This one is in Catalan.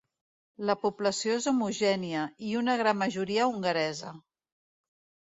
La població és homogènia, i una gran majoria hongaresa.